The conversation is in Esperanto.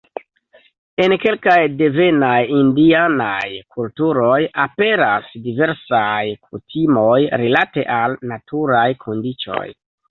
En kelkaj devenaj indianaj kulturoj aperas diversaj kutimoj rilate al naturaj kondiĉoj.